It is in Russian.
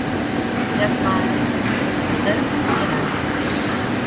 Я знаю: глупость – эдемы и рай!